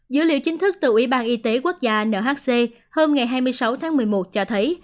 dữ liệu chính thức từ ủy ban y tế quốc gia nhc hôm ngày hai mươi sáu tháng một mươi một cho thấy